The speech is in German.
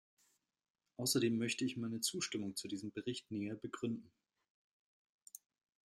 Außerdem möchte ich meine Zustimmung zu diesem Bericht näher begründen.